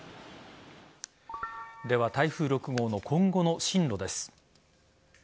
では、台風６号の今後の進路です。